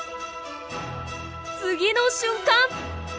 次の瞬間！